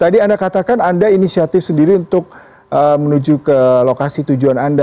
tadi anda katakan anda inisiatif sendiri untuk menuju ke lokasi tujuan anda